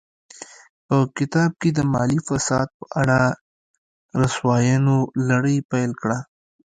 په کتاب کې د مالي فساد په اړه رسواینو لړۍ پیل کړه.